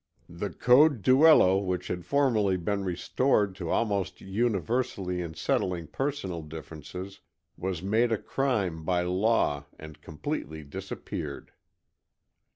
The code duello which had formerly been resorted to almost universally in settling personal differences, was made a crime by law and completely disappeared.